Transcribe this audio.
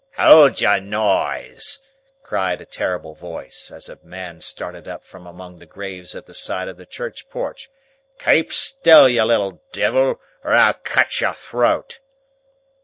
"Hold your noise!" cried a terrible voice, as a man started up from among the graves at the side of the church porch. "Keep still, you little devil, or I'll cut your throat!"